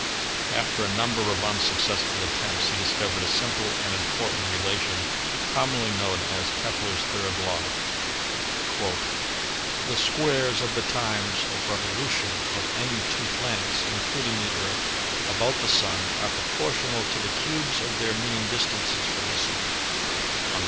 After a number of unsuccess ful attempts he discovered a simple and important rela tion commonly known as Kepler's third law: "The squares of the times of revolution of any two planets (including the Earth) about the Sun are pro portional to the cubes of their mean distances from the Sun."